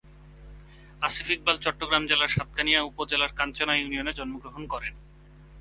আসিফ ইকবাল চট্টগ্রাম জেলার সাতকানিয়া উপজেলার কাঞ্চনা ইউনিয়নে জন্মগ্রহণ করেন।